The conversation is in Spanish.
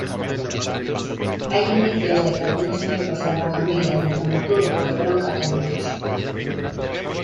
Hay indicios de que algunos miembros de la familia del dramaturgo fueron católicos.